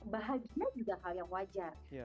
bahagia juga hal yang wajar